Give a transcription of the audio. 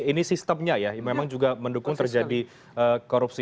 ini sistemnya ya yang memang juga mendukung terjadi korupsi